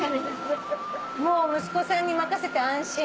もう息子さんに任せて安心？